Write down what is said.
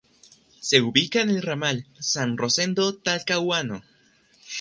Se ubica en el ramal San Rosendo-Talcahuano.